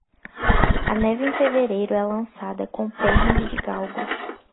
A neve em fevereiro é lançada com pernas de galgos.